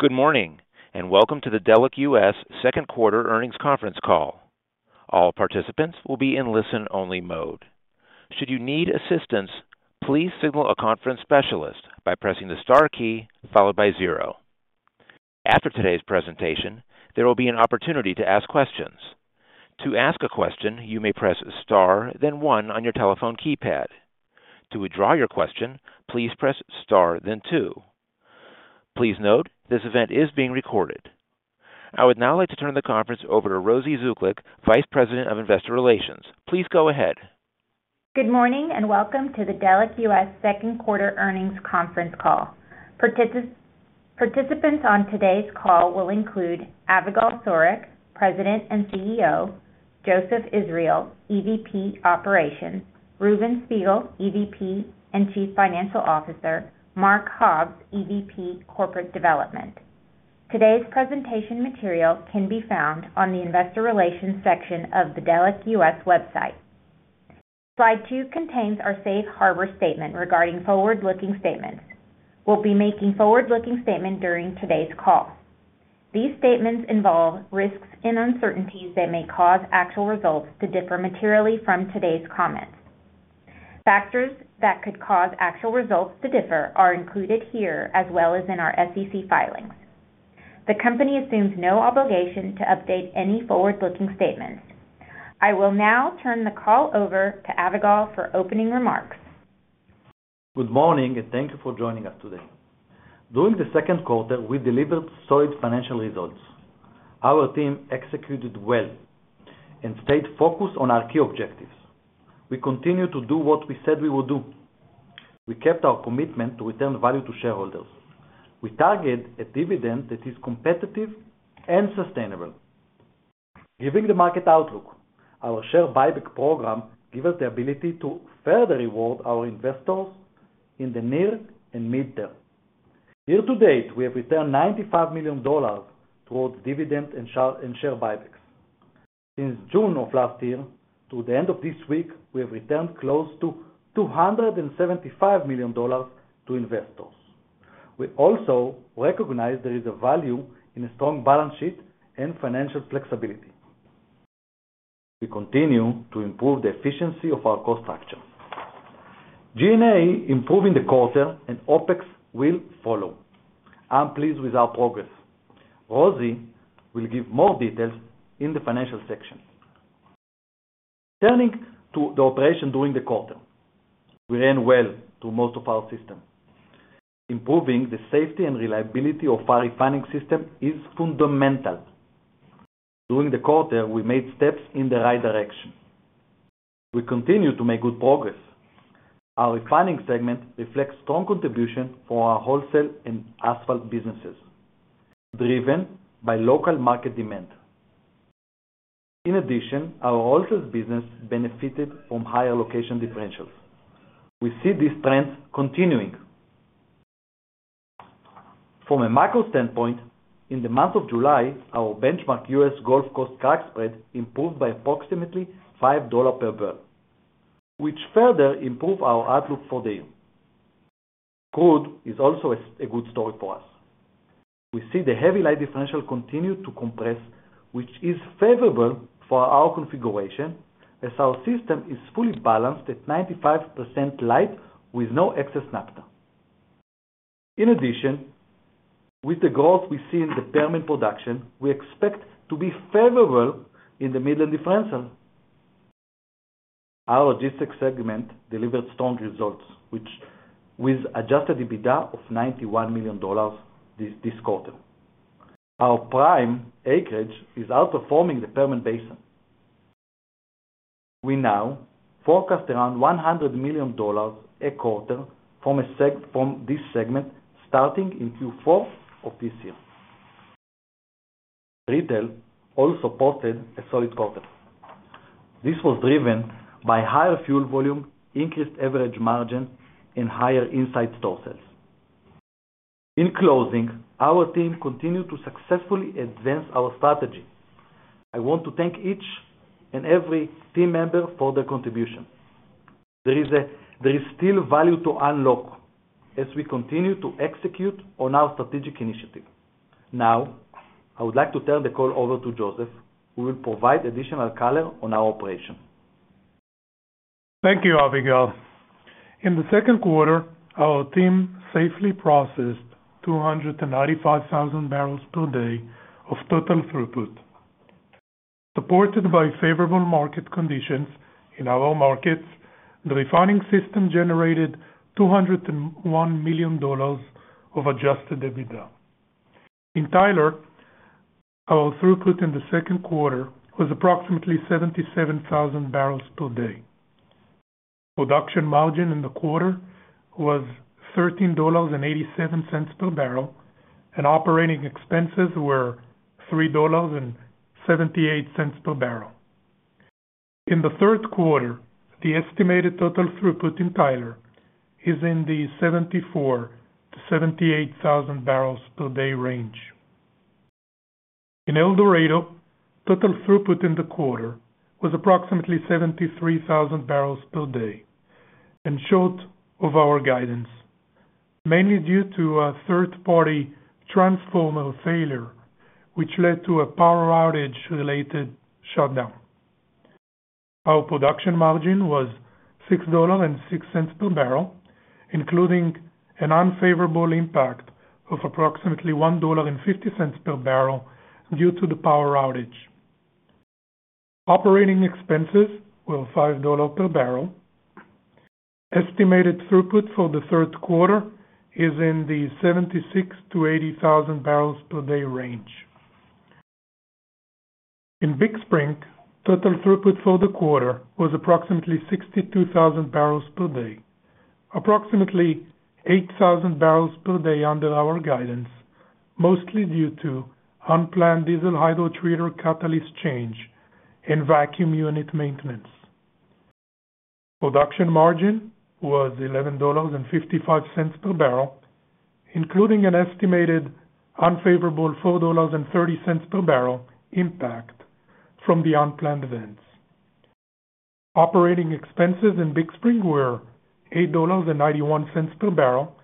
Good morning, welcome to the Delek US Second Quarter Earnings Conference Call. All participants will be in listen-only mode. Should you need assistance, please signal a conference specialist by pressing the star key followed by 0. After today's presentation, there will be an opportunity to ask questions. To ask a question, you may press star, then 1 on your telephone keypad. To withdraw your question, please press star, then 2. Please note, this event is being recorded. I would now like to turn the conference over to Rosy Zuklic, Vice President of Investor Relations. Please go ahead. Good morning, welcome to the Delek US Second Quarter Earnings Conference Call. Participants on today's call will include Avigal Soreq, President and CEO, Joseph Israel, EVP Operations, Reuven Spiegel, EVP and Chief Financial Officer, Mark Hobbs, EVP Corporate Development. Today's presentation material can be found on the Investor Relations section of the Delek US website. Slide two contains our safe harbor statement regarding forward-looking statements. We'll be making forward-looking statement during today's call. These statements involve risks and uncertainties that may cause actual results to differ materially from today's comments. Factors that could cause actual results to differ are included here, as well as in our SEC filings. The company assumes no obligation to update any forward-looking statements. I will now turn the call over to Avigal for opening remarks. Good morning, and thank you for joining us today. During the second quarter, we delivered solid financial results. Our team executed well and stayed focused on our key objectives. We continued to do what we said we would do. We kept our commitment to return value to shareholders. We target a dividend that is competitive and sustainable. Giving the market outlook, our share buyback program give us the ability to further reward our investors in the near and mid-term. Year to date, we have returned $95 million towards dividend and share, and share buybacks. Since June of last year, to the end of this week, we have returned close to $275 million to investors. We also recognize there is a value in a strong balance sheet and financial flexibility. We continue to improve the efficiency of our cost structure. G&A improving the quarter. OpEx will follow. I'm pleased with our progress. Rosy will give more details in the financial section. Turning to the operation during the quarter, we ran well through most of our system. Improving the safety and reliability of our refining system is fundamental. During the quarter, we made steps in the right direction. We continue to make good progress. Our Refining segment reflects strong contribution for our wholesale and asphalt businesses, driven by local market demand. In addition, our wholesale business benefited from higher location differentials. We see this trend continuing. From a macro standpoint, in the month of July, our benchmark U.S. Gulf Coast crack spread improved by approximately $5 per barrel, which further improve our outlook for the year. Crude is also a good story for us. We see the heavy light differential continue to compress, which is favorable for our configuration, as our system is fully balanced at 95% light with no excess naphtha. With the growth we see in the Permian production, we expect to be favorable in the Midland differential. Our Logistics segment delivered strong results with Adjusted EBITDA of $91 million this quarter. Our prime acreage is outperforming the Permian Basin. We now forecast around $100 million a quarter from this segment, starting in Q4 of this year. Retail also posted a solid quarter. This was driven by higher fuel volume, increased average margin, and higher inside store sales. Our team continued to successfully advance our strategy. I want to thank each and every team member for their contribution. There is still value to unlock as we continue to execute on our strategic initiative. Now, I would like to turn the call over to Joseph, who will provide additional color on our operation. Thank you, Avigal. In the second quarter, our team safely processed 295,000 barrels per day of total throughput. Supported by favorable market conditions in our markets, the refining system generated $201 million of Adjusted EBITDA. In Tyler, our throughput in the second quarter was approximately 77,000 barrels per day. Production margin in the quarter was $13.87 per barrel. Operating expenses were $3.78 per barrel. In the third quarter, the estimated total throughput in Tyler is in the 74,000-78,000 barrels per day range. In El Dorado, total throughput in the quarter was approximately 73,000 barrels per day, and short of our guidance, mainly due to a third-party transformer failure, which led to a power outage-related shutdown. Our production margin was $6.06 per barrel, including an unfavorable impact of approximately $1.50 per barrel due to the power outage. Operating expenses were $5 per barrel. Estimated throughput for the third quarter is in the 76,000-80,000 barrels per day range. In Big Spring, total throughput for the quarter was approximately 62,000 barrels per day, approximately 8,000 barrels per day under our guidance, mostly due to unplanned diesel hydrotreater catalyst change and vacuum unit maintenance. Production margin was $11.55 per barrel, including an estimated unfavorable $4.30 per barrel impact from the unplanned events. Operating expenses in Big Spring were $8.91 per barrel,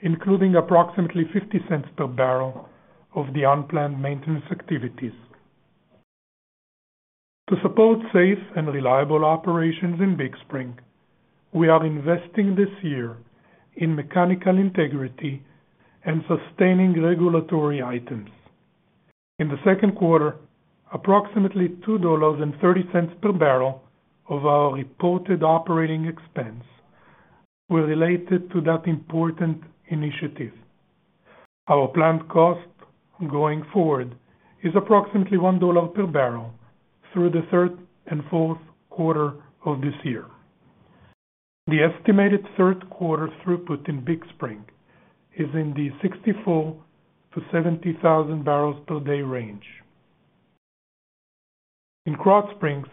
including approximately $0.50 per barrel of the unplanned maintenance activities. To support safe and reliable operations in Big Spring, we are investing this year in mechanical integrity and sustaining regulatory items. In the second quarter, approximately $2.30 per barrel of our reported operating expense were related to that important initiative. Our planned cost going forward is approximately $1 per barrel through the third and fourth quarter of this year. The estimated third quarter throughput in Big Spring is in the 64,000-70,000 barrels per day range. In Krotz Springs,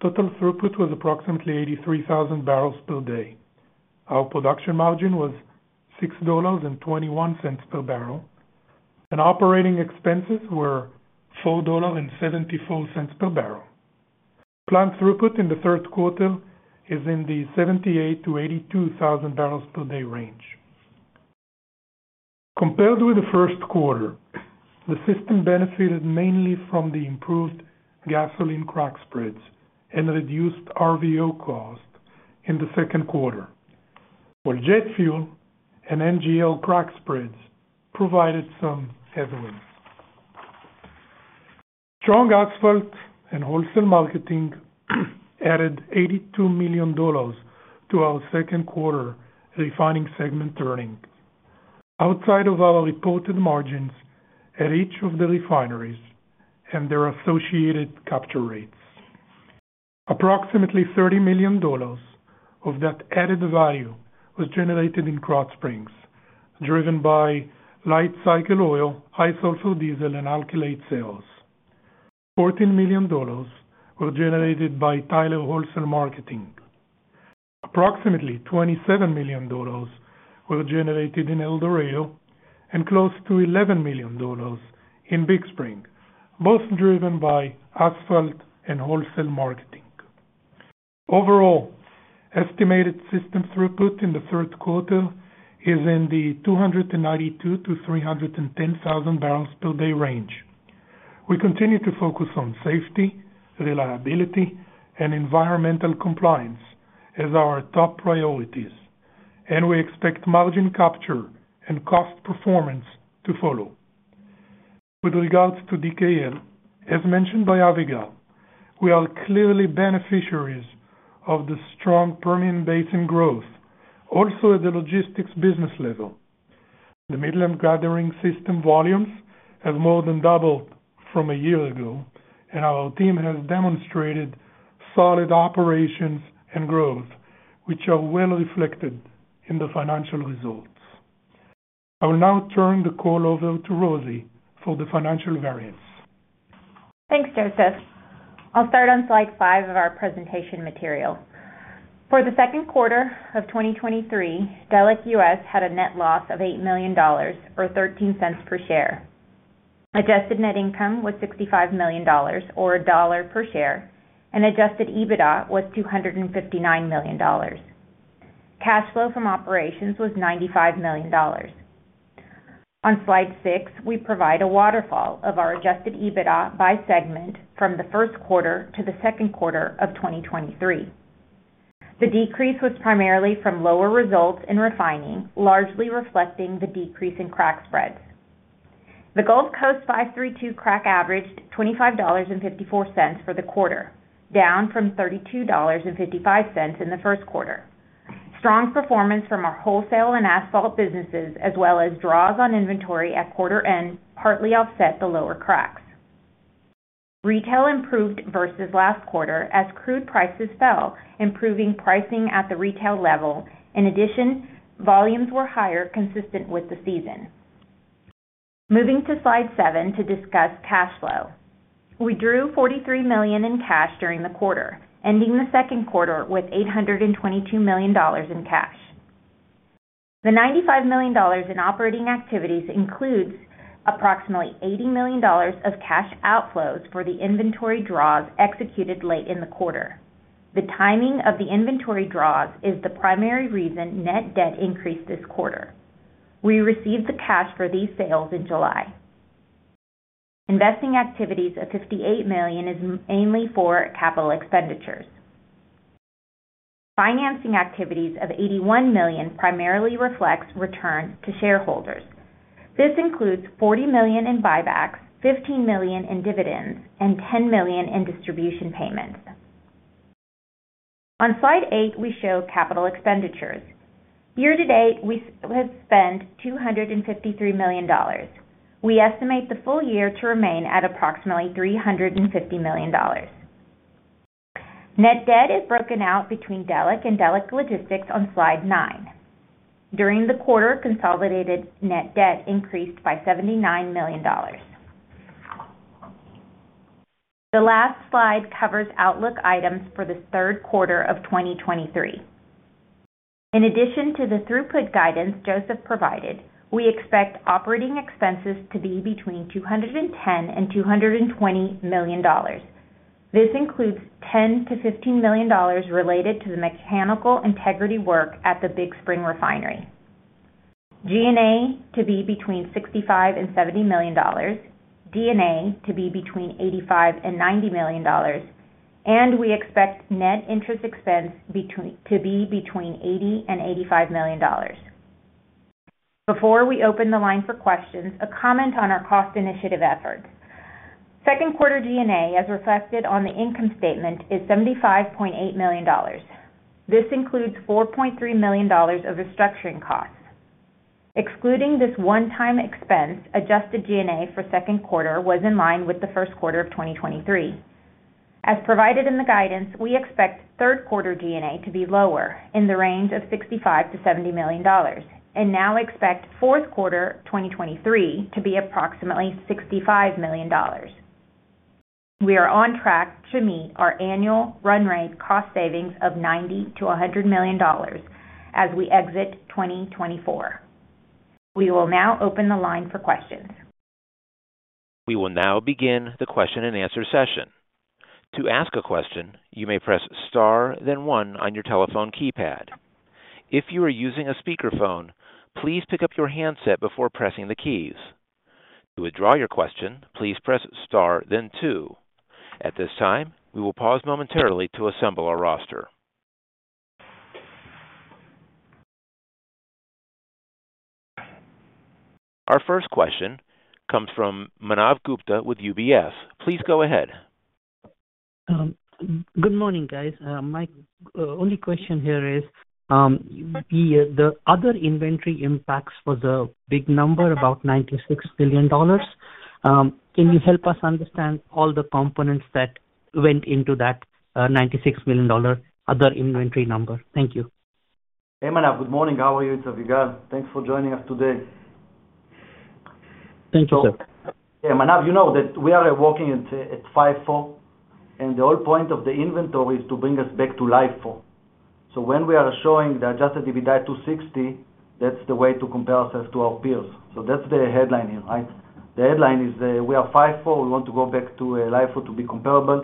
total throughput was approximately 83,000 barrels per day. Our production margin was $6.21 per barrel, and operating expenses were $4.74 per barrel. Planned throughput in the third quarter is in the 78,000-82,000 barrels per day range. Compared with the first quarter, the system benefited mainly from the improved gasoline crack spreads and reduced RVO cost in the second quarter, while jet fuel and NGL crack spreads provided some headwinds. Strong asphalt and wholesale marketing added $82 million to our second quarter Refining segment earnings, outside of our reported margins at each of the refineries and their associated capture rates. Approximately $30 million of that added value was generated in Krotz Springs, driven by light cycle oil, high sulfur diesel, and alkylate sales. $14 million were generated by Tyler Wholesale Marketing. Approximately $27 million were generated in El Dorado and close to $11 million in Big Spring, both driven by asphalt and wholesale marketing. Overall, estimated system throughput in the third quarter is in the 292,000-310,000 barrels per day range. We continue to focus on safety, reliability, and environmental compliance as our top priorities, and we expect margin capture and cost performance to follow. With regards to DKL, as mentioned by Avigal, we are clearly beneficiaries of the strong Permian Basin growth, also at the logistics business level. The Midland Gathering System volumes have more than doubled from a year ago, and our team has demonstrated solid operations and growth, which are well reflected in the financial results. I will now turn the call over to Rosy for the financial variance. Thanks, Joseph. I'll start on slide 5 of our presentation material. For the second quarter of 2023, Delek US had a net loss of $8 million, or $0.13 per share. Adjusted net income was $65 million, or $1 per share, and Adjusted EBITDA was $259 million. Cash flow from operations was $95 million. On slide 6, we provide a waterfall of our adjusted EBITDA by segment from the first quarter to the second quarter of 2023. The decrease was primarily from lower results in refining, largely reflecting the decrease in crack spreads. The Gulf Coast 5-3-2 crack averaged $25.54 for the quarter, down from $32.55 in the first quarter. Strong performance from our wholesale and asphalt businesses, as well as draws on inventory at quarter end, partly offset the lower cracks. Retail improved versus last quarter as crude prices fell, improving pricing at the retail level. Volumes were higher, consistent with the season. Moving to slide 7 to discuss cash flow. We drew $43 million in cash during the quarter, ending the second quarter with $822 million in cash. The $95 million in operating activities includes approximately $80 million of cash outflows for the inventory draws executed late in the quarter. The timing of the inventory draws is the primary reason net debt increased this quarter. We received the cash for these sales in July. Investing activities of $58 million is mainly for capital expenditures. Financing activities of $81 million primarily reflects return to shareholders. This includes $40 million in buybacks, $15 million in dividends, and $10 million in distribution payments. On slide 8, we show capital expenditures. Year to date, we have spent $253 million. We estimate the full year to remain at approximately $350 million. Net debt is broken out between Delek and Delek Logistics on slide 9. During the quarter, consolidated net debt increased by $79 million. The last slide covers outlook items for the third quarter of 2023. In addition to the throughput guidance Joseph provided, we expect operating expenses to be between $210 million and $220 million. This includes $10 million-$15 million related to the mechanical integrity work at the Big Spring refinery. G&A to be between $65 million and $70 million, D&A to be between $85 million and $90 million. We expect net interest expense to be between $80 million and $85 million. Before we open the line for questions, a comment on our cost initiative efforts. Second quarter G&A, as reflected on the income statement, is $75.8 million. This includes $4.3 million of restructuring costs. Excluding this one-time expense, adjusted G&A for second quarter was in line with the first quarter of 2023. As provided in the guidance, we expect third quarter G&A to be lower, in the range of $65 million-$70 million, and now expect fourth quarter 2023 to be approximately $65 million. We are on track to meet our annual run rate cost savings of $90 million-$100 million as we exit 2024. We will now open the line for questions. We will now begin the question-and-answer session. To ask a question, you may press Star, then one on your telephone keypad. If you are using a speakerphone, please pick up your handset before pressing the keys. To withdraw your question, please press Star then two. At this time, we will pause momentarily to assemble our roster. Our first question comes from Manav Gupta with UBS. Please go ahead. Good morning, guys. My only question here is, the other inventory impacts was a big number, about $96 billion. Can you help us understand all the components that went into that $96 billion other inventory number? Thank you. Hey, Manav. Good morning. How are you? It's Avigal. Thanks for joining us today. Thank you, sir. Yeah, Manav, you know that we are working at, at FIFO, and the whole point of the inventory is to bring us back to LIFO. When we are showing the Adjusted EBITDA $260 million, that's the way to compare ourselves to our peers. That's the headline here, right? The headline is, we are FIFO. We want to go back to LIFO to be comparable.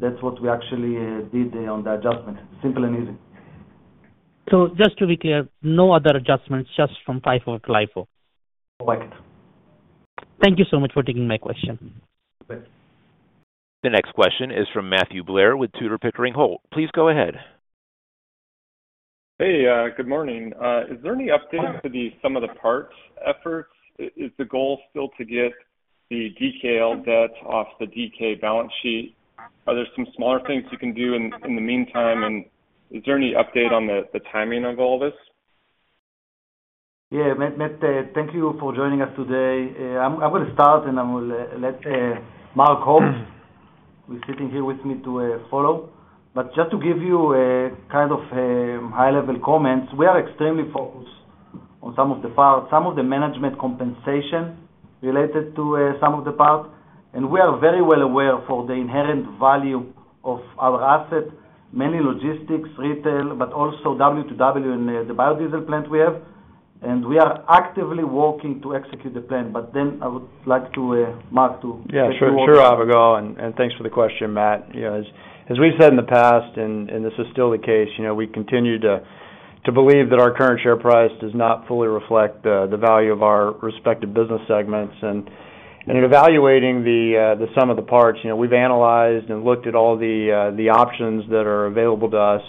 That's what we actually did on the adjustment. Simple and easy. Just to be clear, no other adjustments, just from FIFO to LIFO? Correct. Thank you so much for taking my question. Thanks. The next question is from Matthew Blair with Tudor, Pickering, Holt. Please go ahead. Hey, good morning. Is there any update to the some of the parts efforts? Is the goal still to get the DKL debt off the DK balance sheet? Are there some smaller things you can do in, in the meantime, is there any update on the timing of all of this? Yeah, Matt, Matt, thank you for joining us today. I will start, and I will let Mark Hobbs, who's sitting here with me, to follow. Just to give you a kind of high-level comments, we are extremely focused on some of the parts, some of the management compensation related to some of the parts, and we are very well aware for the inherent value of our asset, mainly logistics, retail, but also W2W and the biodiesel plant we have. We are actively working to execute the plan. I would like to Mark to- Yeah, sure, Avigal, and, and thanks for the question, Matt. You know, as, as we've said in the past, and, and this is still the case, you know, we continue to, to believe that our current share price does not fully reflect the, the value of our respective business segments. In evaluating the sum of the parts, you know, we've analyzed and looked at all the options that are available to us,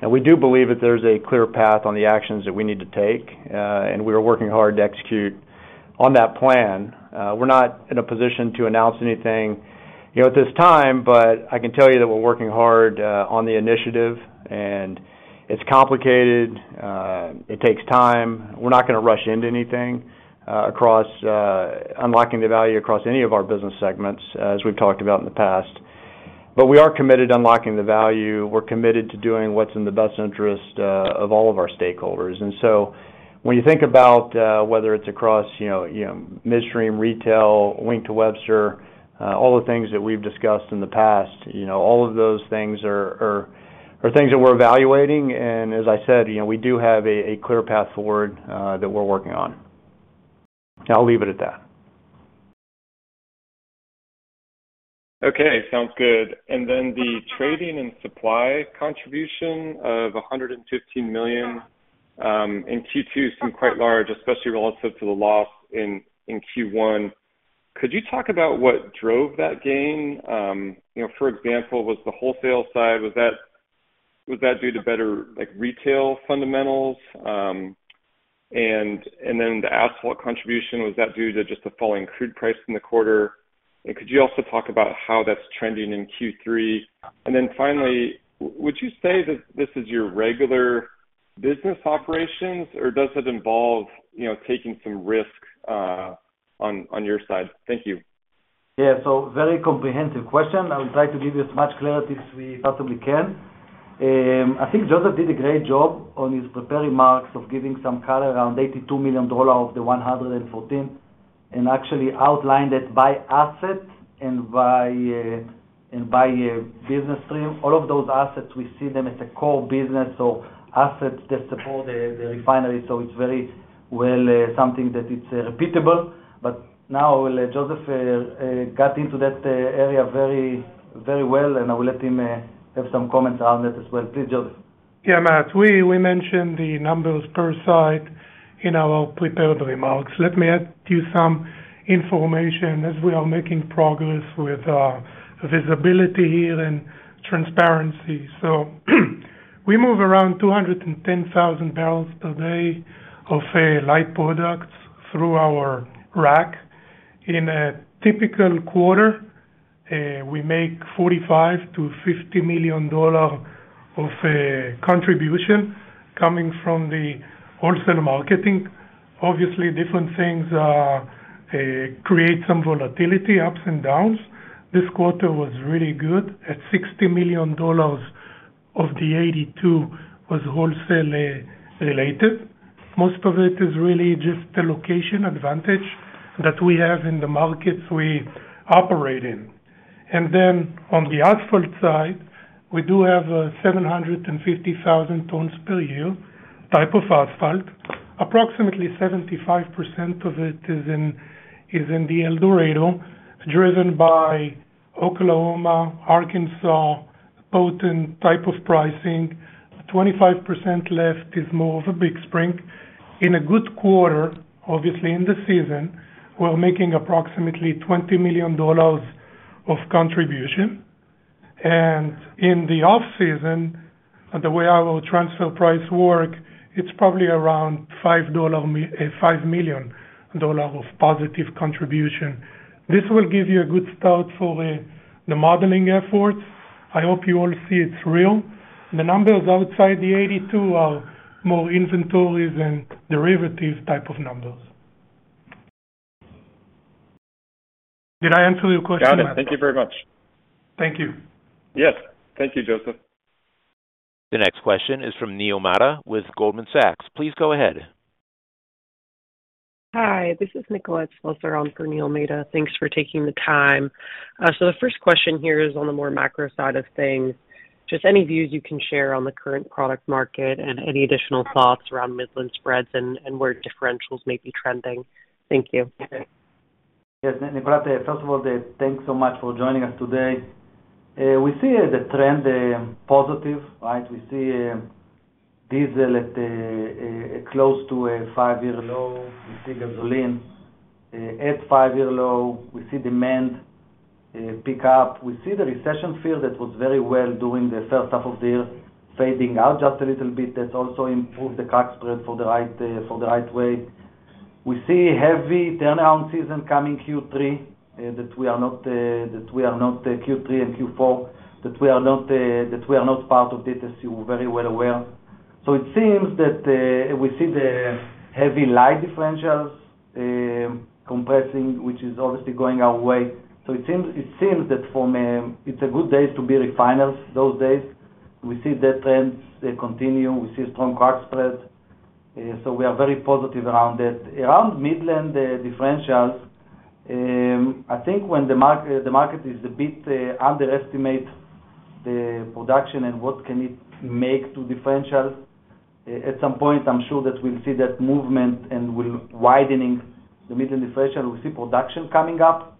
and we do believe that there's a clear path on the actions that we need to take, and we are working hard to execute on that plan. We're not in a position to announce anything, you know, at this time, but I can tell you that we're working hard on the initiative, and it's complicated. It takes time. We're not gonna rush into anything, across unlocking the value across any of our business segments, as we've talked about in the past. We are committed to unlocking the value. We're committed to doing what's in the best interest of all of our stakeholders. When you think about, whether it's across, you know, midstream, retail, Wink to Webster, all the things that we've discussed in the past, you know, all of those things are, are, are things that we're evaluating. As I said, you know, we do have a, a clear path forward that we're working on. I'll leave it at that. Okay, sounds good. The trading and supply contribution of $115 million in Q2 seemed quite large, especially relative to the loss in Q1. Could you talk about what drove that gain? You know, for example, was the wholesale side, was that, was that due to better, like, retail fundamentals? Then the asphalt contribution, was that due to just the falling crude price in the quarter? Could you also talk about how that's trending in Q3? Finally, would you say that this is your regular business operations, or does it involve, you know, taking some risk on your side? Thank you. Yeah. So very comprehensive question. I will try to give you as much clarity as we possibly can. I think Joseph did a great job on his prepared remarks of giving some color around $82 million of the 114, and actually outlined it by asset and by and by business stream. All of those assets, we see them as a core business, so assets that support the, the refinery, so it's very well something that it's repeatable. But now, Joseph, got into that area very, very well, and I will let him have some comments on that as well. Please, Joseph. Yeah, Matt, we, we mentioned the numbers per site in our prepared remarks. Let me add to you some information as we are making progress with visibility here and transparency. So, we move around 210,000 barrels per day of light products through our rack. In a typical quarter, we make $45 million-$50 million of contribution coming from the wholesale marketing. Obviously, different things create some volatility, ups and downs. This quarter was really good. At $60 million of the 82 was wholesale related. Most of it is really just the location advantage that we have in the markets we operate in. And then on the asphalt side, we do have 750,000 tons per year type of asphalt. Approximately 75% of it is in, is in the El Dorado, driven by Oklahoma, Arkansas, POP-type type of pricing. 25% left is more of a Big Spring. In a good quarter, obviously in the season, we're making approximately $20 million of contribution. In the off-season, the way our transfer price work, it's probably around $5 million of positive contribution. This will give you a good start for the modeling efforts. I hope you all see it's real. The numbers outside the 82 are more inventories and derivatives type of numbers. Did I answer your question, Matt? Got it. Thank you very much. Thank you. Yes. Thank you, Joseph. The next question is from Neil Mehta with Goldman Sachs. Please go ahead. Hi, this is Nicolette Slusser on for Neil Mehta. Thanks for taking the time. The first question here is on the more macro side of things. Just any views you can share on the current product market and any additional thoughts around Midland spreads and where differentials may be trending? Thank you. Yes, Nicolette, first of all, thanks so much for joining us today. We see the trend, positive, right? We see diesel at close to a five-year low. We see gasoline at five-year low. We see demand pick up. We see the recession field that was very well during the first half of the year, fading out just a little bit. That's also improved the crack spread for the right, for the right way. We see heavy turnaround season coming Q3, that we are not, that we are not Q3 and Q4, that we are not, that we are not part of this, as you're very well aware. So it seems that we see the heavy light differentials compressing, which is obviously going our way. It seems, it seems that from, it's a good day to be refiners, those days. We see the trends, they continue. We see strong crack spread, we are very positive around it. Around Midland differentials, I think when the market, the market is a bit, underestimate the production and what can it make to differentials. At some point, I'm sure that we'll see that movement and will widening the Midland differential. We see production coming up,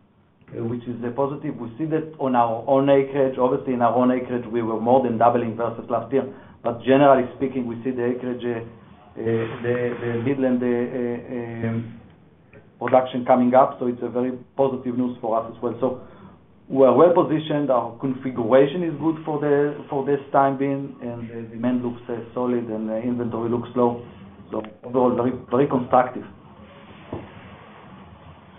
which is a positive. We see that on our own acreage. Obviously, in our own acreage, we were more than doubling versus last year. Generally speaking, we see the acreage, the, the Midland production coming up, it's a very positive news for us as well. We are well-positioned, our configuration is good for this time being, and the demand looks solid and the inventory looks low. Overall, very, very constructive.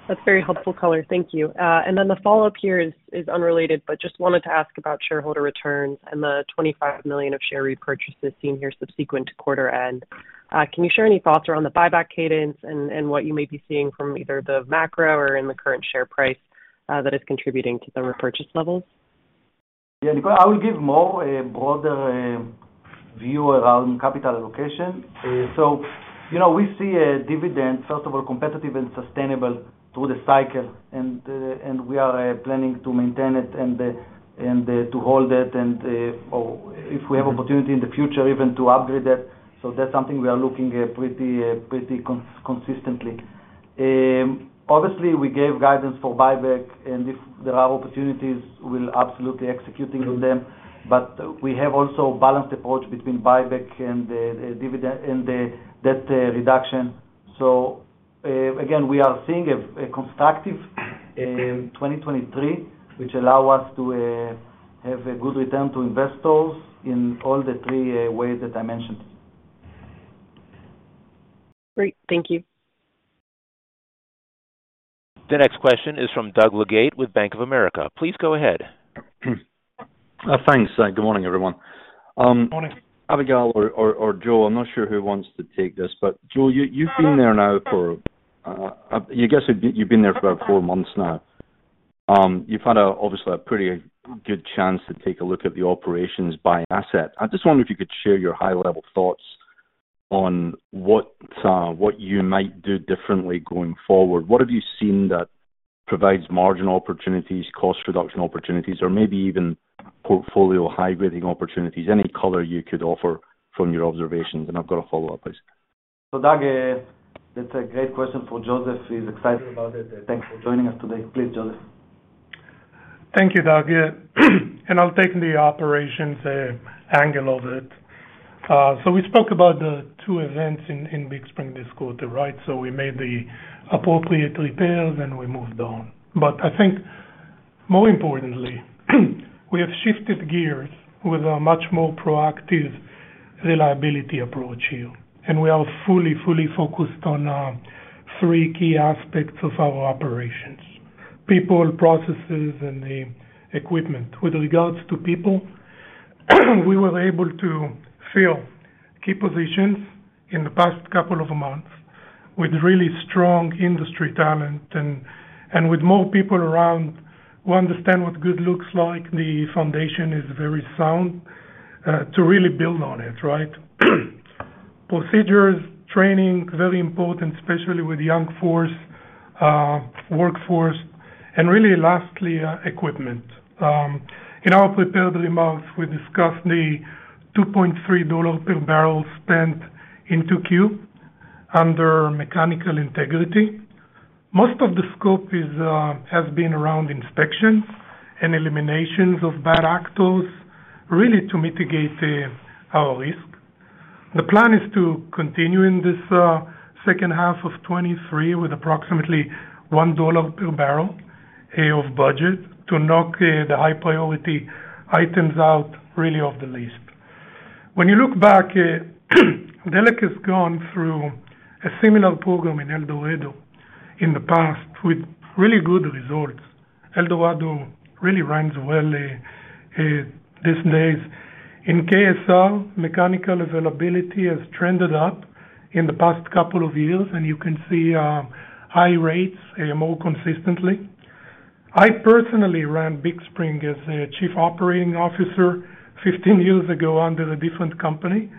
That's very helpful color. Thank you. Then the follow-up here is, is unrelated, but just wanted to ask about shareholder returns and the $25 million of share repurchases seen here subsequent to quarter end. Can you share any thoughts around the buyback cadence and what you may be seeing from either the macro or in the current share price that is contributing to the repurchase levels? Nicolette, I will give more a broader view around capital allocation. you know, we see a dividend, first of all, competitive and sustainable through the cycle, and we are planning to maintain it and to hold it, or if we have opportunity in the future, even to upgrade that. That's something we are looking pretty consistently. obviously, we gave guidance for buyback, and if there are opportunities, we'll absolutely executing on them. we have also a balanced approach between buyback and the dividend and the debt reduction. again, we are seeing a constructive 2023, which allow us to have a good return to investors in all the three ways that I mentioned. Great, thank you. The next question is from Doug Leggate with Bank of America. Please go ahead. Thanks. Good morning, everyone. Good morning. Avigal or, or, or Joe, I'm not sure who wants to take this, but Joe, you, you've been there now for, I guess you've been there for about four months now. You've had, obviously a pretty good chance to take a look at the operations by asset. I just wonder if you could share your high-level thoughts on what, what you might do differently going forward. What have you seen that provides margin opportunities, cost reduction opportunities, or maybe even portfolio high-grading opportunities, any color you could offer from your observations? I've got a follow-up piece. Doug, that's a great question for Joseph. He's excited about it. Thanks for joining us today. Please, Joseph. Thank you, Doug. I'll take the operations angle of it. So we spoke about the two events in Big Spring this quarter, right? We made the appropriate repairs, and we moved on. I think more importantly, we have shifted gears with a much more proactive reliability approach here, and we are fully, fully focused on three key aspects of our operations: people, processes, and the equipment. With regards to people, we were able to fill key positions in the past couple of months with really strong industry talent, and, and with more people around, we understand what good looks like. The foundation is very sound to really build on it, right? Procedures, training, very important, especially with young force, workforce, and really lastly, equipment. In our prepared remarks, we discussed the $2.3 per barrel spent in 2Q under mechanical integrity. Most of the scope has been around inspections and and eliminations of bad actors, really to mitigate our risk. The plan is to continue in this second half of 2023, with approximately $1 per barrel of budget to knock the high priority items out really off the list. When you look back, Delek has gone through a similar program in El Dorado in the past with really good results. El Dorado really runs well these days. In KSR, mechanical availability has trended up in the past couple of years, and you can see high rates more consistently. I personally ran Big Spring as a chief operating officer 15 years ago under a different company,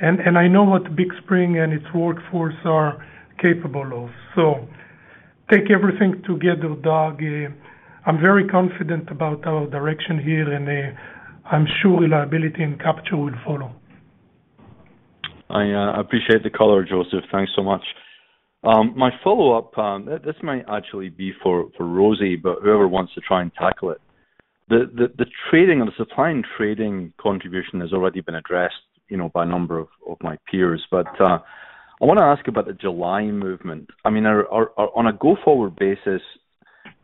and, and I know what Big Spring and its workforce are capable of. Take everything together, Doug, I'm very confident about our direction here, and I'm sure reliability and capture will follow. I appreciate the color, Joseph. Thanks so much. My follow-up, this might actually be for, for Rosy, but whoever wants to try and tackle it. The trading, the supply and trading contribution has already been addressed, you know, by a number of, of my peers. But I want to ask about the July movement. I mean, are, on a go-forward basis,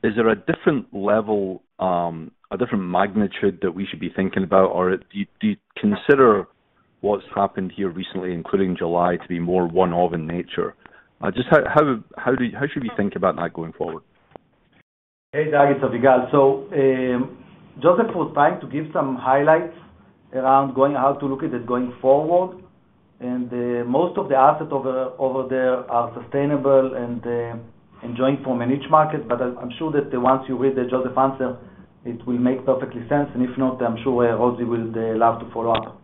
is there a different level, a different magnitude that we should be thinking about? Or do you, do you consider what's happened here recently, including July, to be more one-off in nature? Just how, how should we think about that going forward? Hey, Doug, it's Avigal. Joseph was trying to give some highlights around going, how to look at it going forward. Most of the assets over, over there are sustainable and drawing from a niche market. I'm sure that once you read the Joseph answer, it will make perfectly sense, and if not, I'm sure Rosy will be allowed to follow up.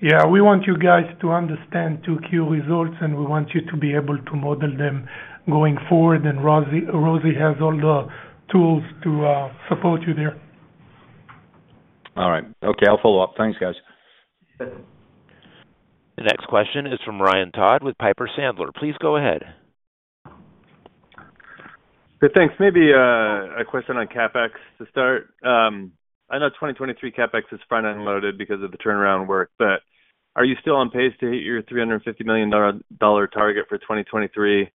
Yeah, we want you guys to understand 2Q results. We want you to be able to model them going forward. Rosy, Rosy has all the tools to support you there. All right. Okay, I'll follow up. Thanks, guys. The next question is from Ryan Todd with Piper Sandler. Please go ahead. Good, thanks. Maybe a question on CapEx to start. I know 2023 CapEx is front-end loaded because of the turnaround work, but are you still on pace to hit your $350 million target for 2023?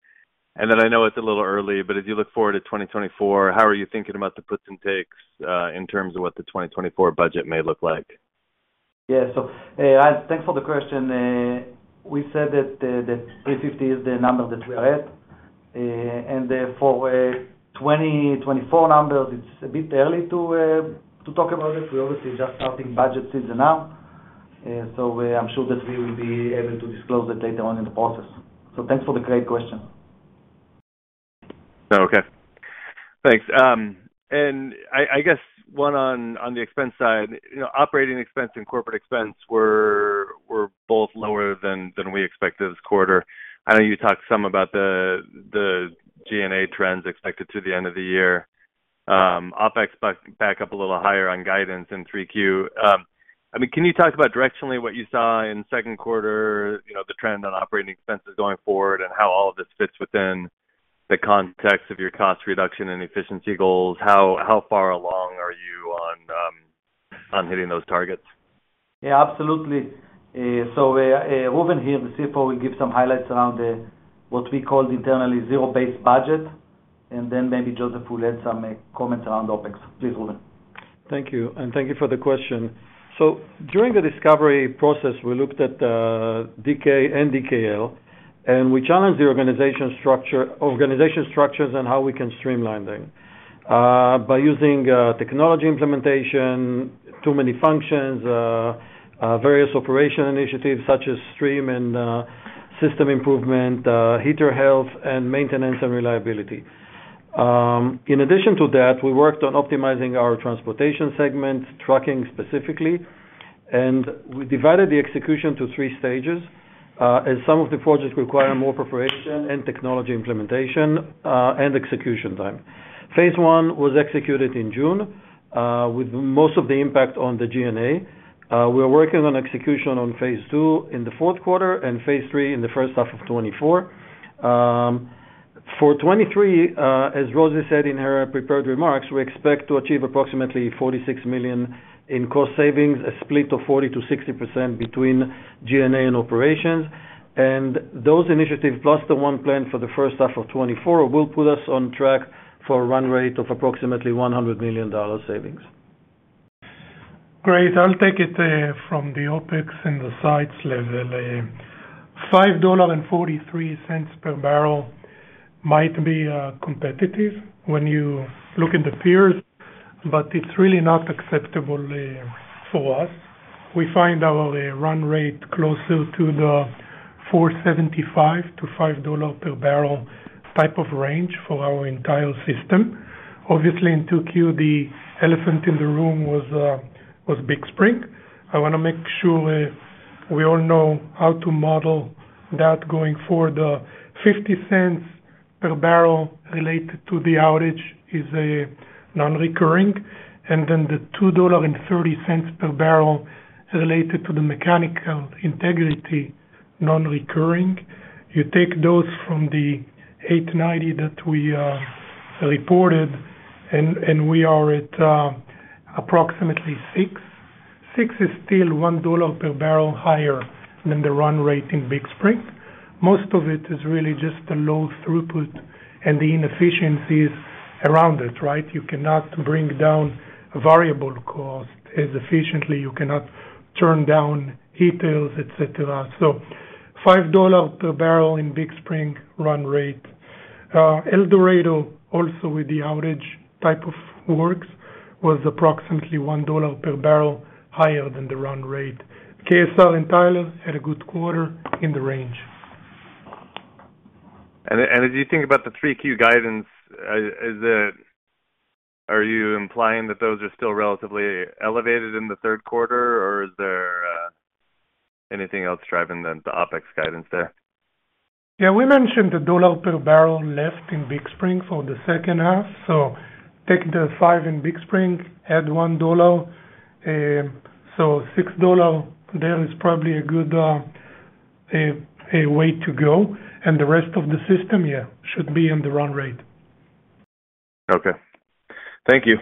I know it's a little early, but as you look forward to 2024, how are you thinking about the puts and takes in terms of what the 2024 budget may look like? Yeah. Ryan, thanks for the question. We said that the 350 is the number that we are at. Then for 2024 numbers, it's a bit early to talk about it. We're obviously just starting budget season now, so I'm sure that we will be able to disclose the data on in the process. Thanks for the great question. Okay. Thanks. I guess one on the expense side, you know, operating expense and corporate expense were both lower than we expected this quarter. I know you talked some about the G&A trends expected to the end of the year. OpEx back, back up a little higher on guidance in 3Q. I mean, can you talk about directionally, what you saw in second quarter, you know, the trend on operating expenses going forward, and how all of this fits within the context of your cost reduction and efficiency goals? How, how far along are you on hitting those targets? Yeah, absolutely. Reuven here, the CFO, will give some highlights around the, what we call internally, zero-based budget. Then maybe Joseph will add some comments around OpEx. Please, Reuven. Thank you, and thank you for the question. During the discovery process, we looked at DK and DKL, and we challenged the organization structure, organization structures and how we can streamline them by using technology implementation, too many functions, various operation initiatives such as stream and system improvement, heater health and maintenance and reliability. In addition to that, we worked on optimizing our transportation segment, trucking specifically, and we divided the execution to three stages as some of the projects require more preparation and technology implementation and execution time. Phase I was executed in June with most of the impact on the G&A. We're working on execution on phase II in the fourth quarter and phase III in the first half of 2024. For 2023, as Rosy said in her prepared remarks, we expect to achieve approximately $46 million in cost savings, a split of 40%-60% between G&A and operations. Those initiatives, plus the one planned for the first half of 2024, will put us on track for a run rate of approximately $100 million savings. Great. I'll take it from the OpEx and the sites level. $5.43 per barrel might be competitive when you look at the peers, but it's really not acceptable for us. We find our run rate closer to the $4.75-$5 per barrel type of range for our entire system. Obviously, in 2Q, the elephant in the room was Big Spring. I wanna make sure we all know how to model that going forward. $0.50 per barrel related to the outage is a non-recurring, and then the $2.30 per barrel related to the mechanical integrity, non-recurring. You take those from the $8.90 that we reported, and we are at approximately $6. $6 is still $1 per barrel higher than the run rate in Big Spring. Most of it is really just the low throughput and the inefficiencies around it, right? You cannot bring down variable cost as efficiently, you cannot turn down heaters, et cetera. $5 per barrel in Big Spring run rate. El Dorado, also with the outage type of works, was approximately $1 per barrel higher than the run rate. KSR in Tyler had a good quarter in the range. As you think about the 3Q guidance, are you implying that those are still relatively elevated in the third quarter, or is there anything else driving the OpEx guidance there? Yeah, we mentioned $1 per barrel left in Big Spring for the second half. Take the $5 in Big Spring, add $1, $6 there is probably a good way to go. The rest of the system, yeah, should be in the run rate. Okay. Thank you.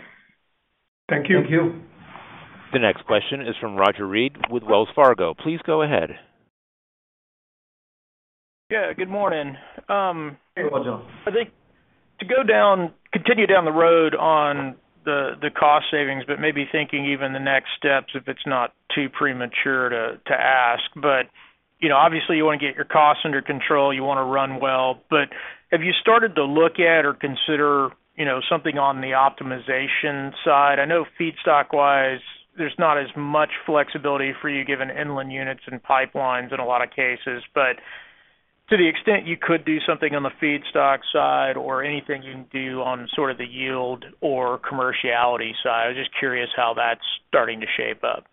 Thank you. Thank you. The next question is from Roger Read with Wells Fargo. Please go ahead. Yeah, good morning. Hey, Roger. I think continue down the road on the, the cost savings, but maybe thinking even the next steps, if it's not too premature to, to ask. You know, obviously you want to get your costs under control, you want to run well, but have you started to look at or consider, you know, something on the optimization side? I know feedstock-wise, there's not as much flexibility for you, given inland units and pipelines in a lot of cases. To the extent you could do something on the feedstock side or anything you can do on sort of the yield or commerciality side, I was just curious how that's starting to shape up.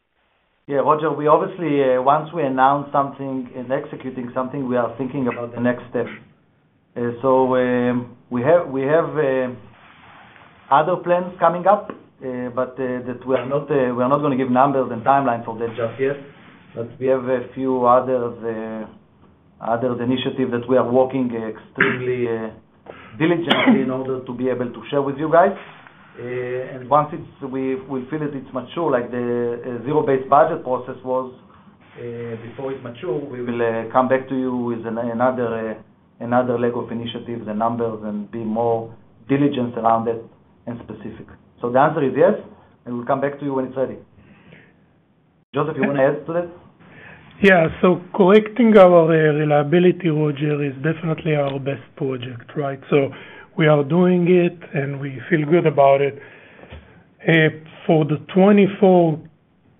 Yeah, Roger, we obviously, once we announce something and executing something, we are thinking about the next step. We have, we have other plans coming up, but that we are not, we are not gonna give numbers and timelines for that just yet. We have a few other other initiatives that we are working extremely diligently in order to be able to share with you guys. Once we, we feel that it's mature, like the Zero-based budget process was, before it's mature, we will come back to you with another another leg of initiatives, the numbers, and be more diligent around it and specific. The answer is yes, and we'll come back to you when it's ready. Joseph, you want to add to that? Correcting our reliability, Roger Read, is definitely our best project, right? We are doing it, and we feel good about it. For the 2024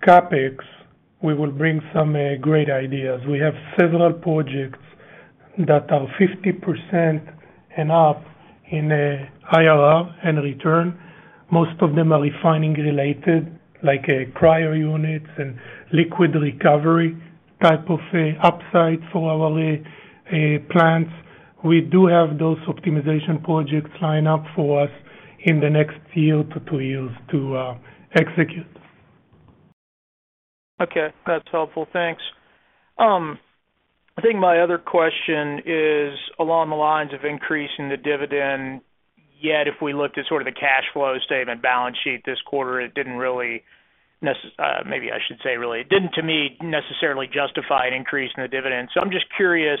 CapEx, we will bring some great ideas. We have several projects that are 50% and up in IRR and return. Most of them are refining related, like prior units and liquid recovery type of upside for our plants. We do have those optimization projects lined up for us in the next year to two years to execute. Okay, that's helpful. Thanks. I think my other question is along the lines of increasing the dividend, yet if we looked at sort of the cash flow statement balance sheet this quarter, it didn't really maybe I should say, really, it didn't, to me, necessarily justify an increase in the dividend. I'm just curious,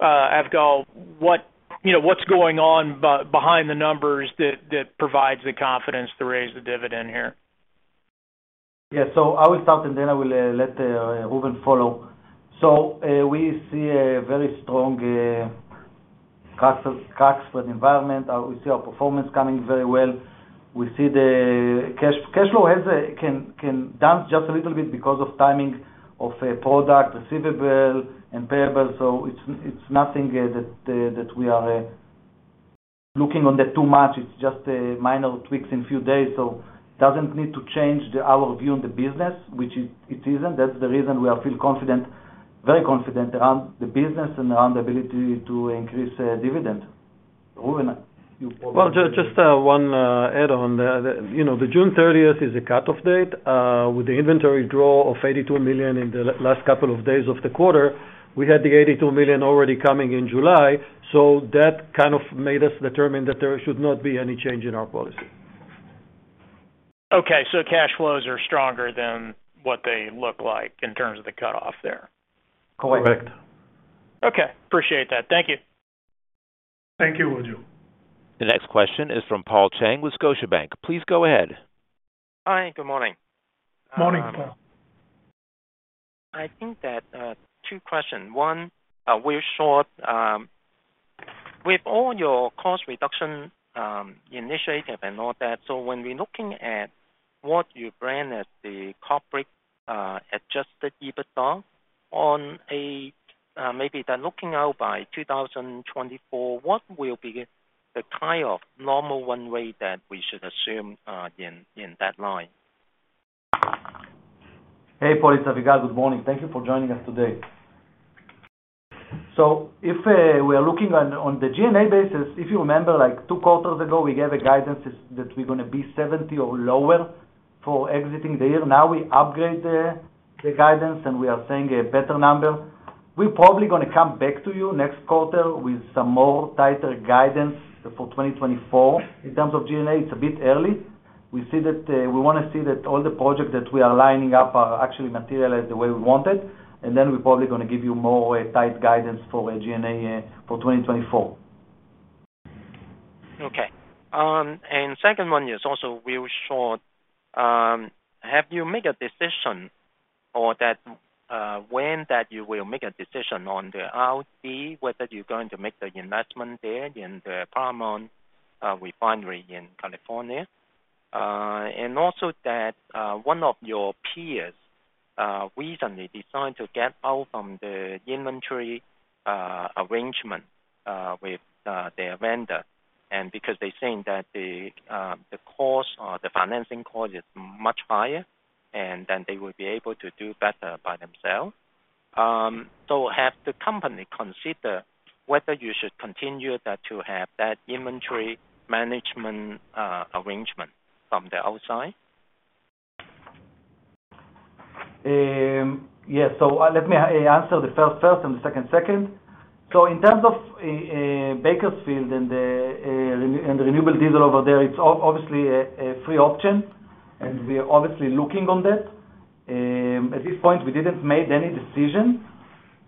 Avigal, what, you know, what's going on behind the numbers that, that provides the confidence to raise the dividend here? I will start, and then I will let Reuven follow. We see a very strong cash, cash flow environment. We see our performance coming very well. We see the cash, cash flow has a, can dance just a little bit because of timing of a product, receivable and payable. It's nothing that that we are looking on the too much. It's just minor tweaks in few days. It doesn't need to change the, our view on the business, which is, it isn't. That's the reason we are feel confident, very confident around the business and around the ability to increase dividend. Reuven, you- Well, just one add-on. The, you know, the June 30th is a cutoff date. With the inventory draw of $82 million in the last couple of days of the quarter, we had the $82 million already coming in July, so that kind of made us determine that there should not be any change in our policy. Okay, cash flows are stronger than what they look like in terms of the cutoff there? Correct. Correct. Okay, appreciate that. Thank you. Thank you, Roger. The next question is from Paul Cheng with Scotiabank. Please go ahead. Hi, good morning. Morning, Paul. I think that, two questions. One, we're short, with all your cost reduction, initiative and all that, so when we're looking at what you brand as the corporate, Adjusted EBITDA, on a, maybe then looking out by 2024, what will be the tie-off normal one way that we should assume, in, in that line? Hey, Paul Cheng, it's Avigal. Good morning. Thank you for joining us today. If we are looking on the G&A basis, if you remember, like two quarters ago, we gave a guidance is that we're gonna be 70 or lower for exiting the year. Now we upgrade the guidance, and we are seeing a better number. We're probably gonna come back to you next quarter with some more tighter guidance for 2024. In terms of G&A, it's a bit early. We see that we want to see that all the projects that we are lining up are actually materialized the way we wanted, and then we're probably gonna give you more tight guidance for G&A for 2024. Okay. Second one is also real short. Have you made a decision or that when that you will make a decision on the [RD], whether you're going to make the investment there in the Paramount Refinery in California? Also that one of your peers recently decided to get out from the inventory arrangement with their vendor, and because they're saying that the cost or the financing cost is much higher, and then they will be able to do better by themselves. Have the company consider whether you should continue that to have that inventory management arrangement from the outside? Yes. Let me answer the first, first and the second, second. In terms of, Bakersfield and the, and the renewable diesel over there, it's obviously a, a free option, and we are obviously looking on that. At this point, we didn't make any decision,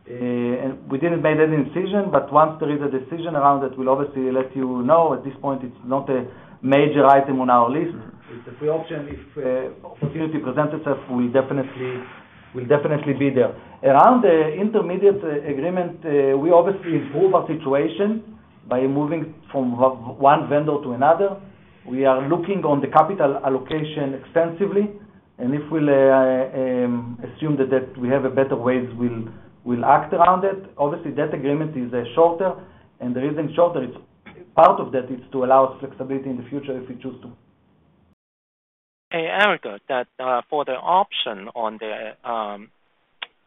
and we didn't make any decision, but once there is a decision around that, we'll obviously let you know. At this point, it's not a major item on our list. It's a free option. If, opportunity presents itself, we'll definitely, we'll definitely be there. Around the intermediate, agreement, we obviously improve our situation by moving from one vendor to another. We are looking on the capital allocation extensively, and if we'll, assume that, that we have a better ways, we'll, we'll act around it. Obviously, that agreement is, shorter, and the reason shorter, it's part of that is to allow us flexibility in the future if we choose to. Hey, Avigal, that, for the option on the, on,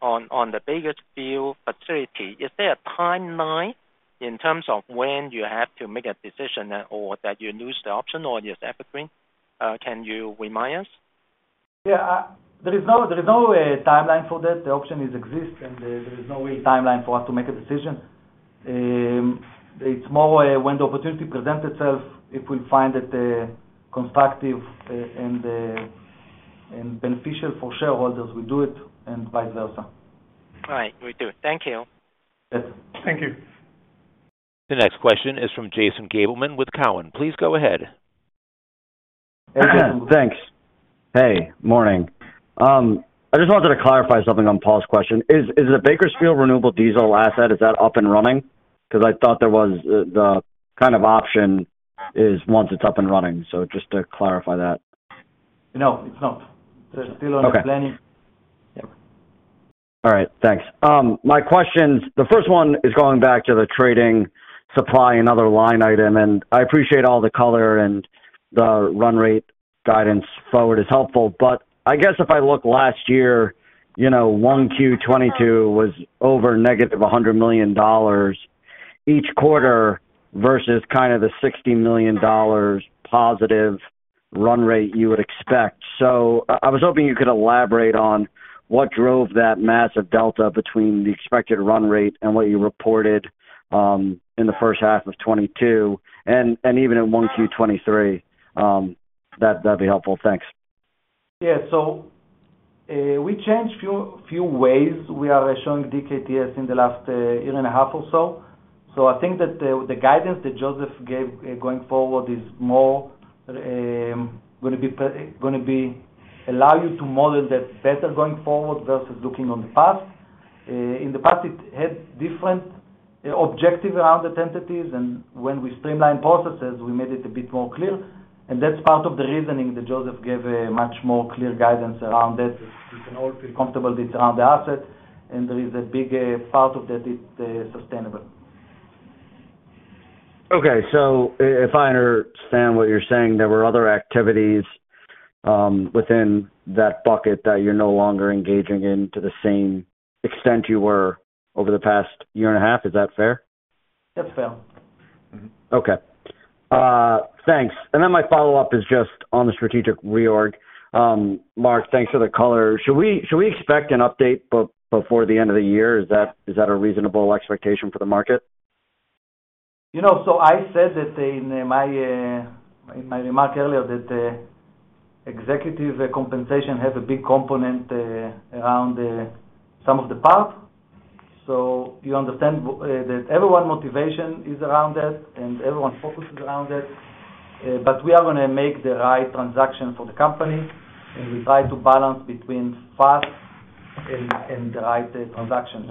on the Bakersfield facility, is there a timeline in terms of when you have to make a decision or that you lose the option or you separate? Can you remind us? Yeah, there is no, there is no, timeline for that. The option is exist, and there, there is no real timeline for us to make a decision. It's more, when the opportunity presents itself, if we find it, constructive, and, and beneficial for shareholders, we do it. Vice versa. All right, will do. Thank you. Yes. Thank you. The next question is from Jason Gabelman with Cowen. Please go ahead. Hey, Jason. Thanks. Hey, morning. I just wanted to clarify something on Paul's question. Is, is the Bakersfield renewable diesel asset, is that up and running? Because I thought there was the, the kind of option is once it's up and running. Just to clarify that. No, it's not. Okay. There's still a planning. Yeah. All right, thanks. My questions, the first one is going back to the trading supply and other line item, and I appreciate all the color and the run rate guidance forward is helpful, but I guess if I look last year, you know, 1Q 2022 was over negative $100 million. Each quarter versus kind of the $60 million positive run rate you would expect. I, I was hoping you could elaborate on what drove that massive delta between the expected run rate and what you reported, in the first half of 2022 and, and even in 1Q 2023. That, that'd be helpful. Thanks. We changed few, few ways. We are showing DKTS in the last year and a half or so. I think that the guidance that Joseph gave going forward is more gonna be allow you to model that better going forward versus looking on the past. In the past, it had different objectives around the entities, when we streamline processes, we made it a bit more clear. That's part of the reasoning that Joseph gave a much more clear guidance around it. We can all feel comfortable with around the asset, there is a big part of that is sustainable. Okay, if I understand what you're saying, there were other activities within that bucket that you're no longer engaging in to the same extent you were over the past year and a half. Is that fair? That's fair. Mm-hmm. Okay. Thanks. My follow-up is just on the strategic reorg. Mark, thanks for the color. Should we expect an update before the end of the year? Is that a reasonable expectation for the market? You know, I said that in my remark earlier, that the executive compensation has a big component around the some of the parts. You understand that everyone motivation is around it, and everyone focuses around it, but we are gonna make the right transaction for the company, and we try to balance between fast and, and the right transaction.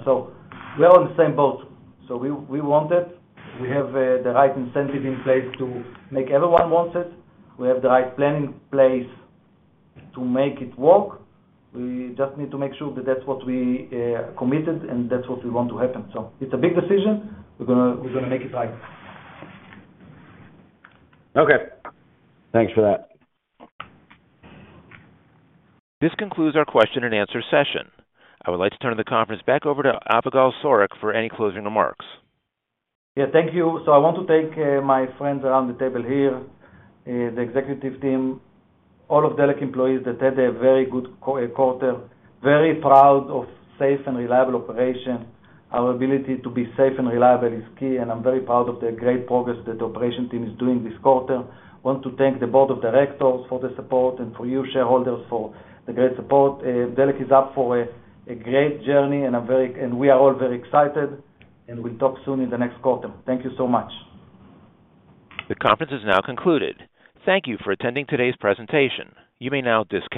We're on the same boat. We, we want it. We have the right incentive in place to make everyone wants it. We have the right plan in place to make it work. We just need to make sure that that's what we committed, and that's what we want to happen. It's a big decision. We're gonna, we're gonna make it right. Okay. Thanks for that. This concludes our question and answer session. I would like to turn the conference back over to Avigal Soreq for any closing remarks. Yeah, thank you. I want to take my friends around the table here, the executive team, all of Delek employees, that had a very good quarter, very proud of safe and reliable operation. Our ability to be safe and reliable is key, and I'm very proud of the great progress that the operation team is doing this quarter. I want to thank the board of directors for the support and for you, shareholders, for the great support. Delek is up for a great journey, and we are all very excited, and we'll talk soon in the next quarter. Thank you so much. The conference is now concluded. Thank you for attending today's presentation. You may now disconnect.